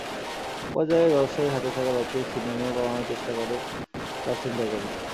একপর্যায়ে ব্যবসায়ীর হাতে থাকা ব্যাগটি ছিনিয়ে নিয়ে পালানোর চেষ্টা করে চার ছিনতাইকারী।